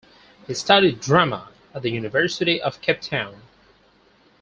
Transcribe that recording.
He studied drama at the University of Cape Town.